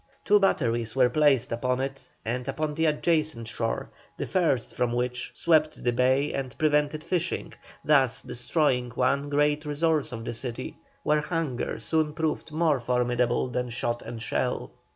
Two batteries were placed upon it and upon the adjacent shore, the fire from which swept the bay and prevented fishing, thus destroying one great resource of the city, where hunger soon proved more formidable than shot and shell.